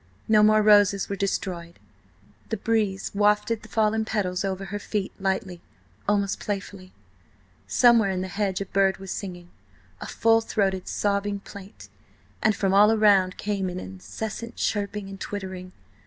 No more roses were destroyed; the breeze wafted the fallen petals over her feet, lightly, almost playfully. Somewhere in the hedge a bird was singing, a full throated sobbing plaint, and from all around came an incessant chirping and twittering.